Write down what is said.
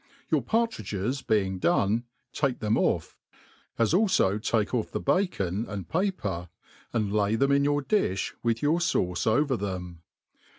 Your partridges t)eing done, take them oiF; as alfo take off the bacon smd, paper, and lay thesi in your diih with* your fauce over them.